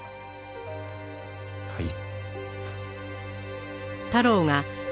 はい。